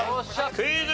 クイズ。